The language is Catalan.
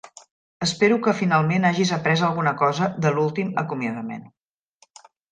Espero que finalment hagis après alguna cosa de l'últim acomiadament.